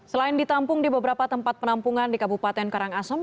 selain ditampung di beberapa tempat penampungan di kabupaten karangasem